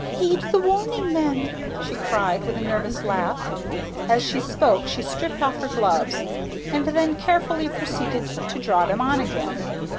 "Heed the warning then," she cried, with a nervous laugh. As she spoke she stripped off her gloves, and then carefully proceeded to draw them on again.